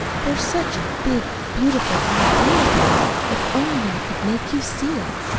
There's such a big, beautiful idea there, if only I could make you see it.